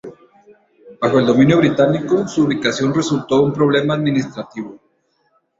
Bajo el dominio británico su ubicación resultó un problema administrativo.